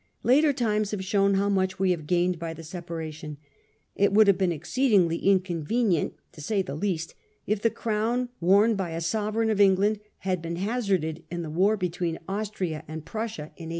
Later times have shown how much we have gained by the separation. It would have been exceedingly inconvenient, to say the least, if the crown worn by a sovereign of England had been hazarded in the war between Austria and Prussia in 1866.